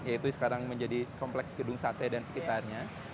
yaitu sekarang menjadi kompleks gedung sate dan sekitarnya